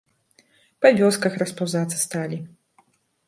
Па вёсках распаўзацца сталі.